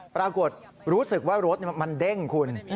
ปรากฏรู้สึกว่ารถมันเด้งคุณ